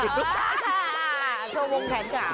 ใช่ค่ะโชว์วงแผนขาว